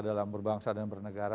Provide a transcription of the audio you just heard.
dalam berbangsa dan bernegara